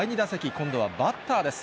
今度はバッターです。